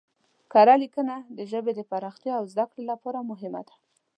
کره لیکنه د ژبې پراختیا او زده کړې لپاره مهمه ده.